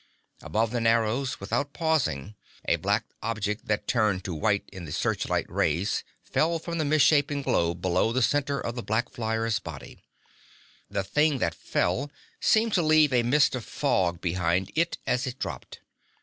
Above the Narrows, without pausing, a black object that turned to white in the searchlight rays fell from the misshapen globe below the center of the black flyer's body. The thing that fell seemed to leave a mist of fog behind it as it dropped.